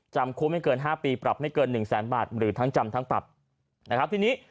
จำคมไม่เกิน๕ปีปรับไม่เกิน๑๐๐๐๐๐บาทหรือทั้งจำทั้งปรับนะครับที่นี้